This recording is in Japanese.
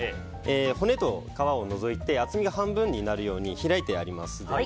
骨と皮を除いて厚みが半分になるように開いてあります。